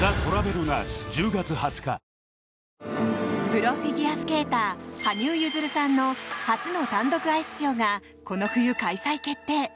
プロフィギュアスケーター羽生結弦さんの初の単独アイスショーがこの冬、開催決定。